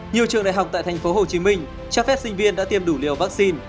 nhiều trường đại học tại tp hcm cho phép sinh viên đã tiêm đủ liều vaccine